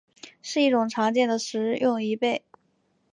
是一种常见的食用贻贝。